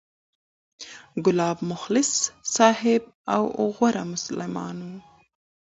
کلاب مخلص صحابي او غوره مسلمان و،